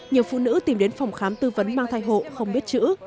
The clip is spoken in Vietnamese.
nhiều phụ nữ tìm đến phòng khám tư vấn mang thai hộ không biết chữ